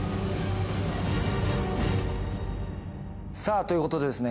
さあということでですね